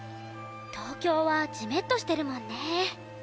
東京はジメっとしてるもんね。